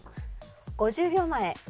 ５０秒前。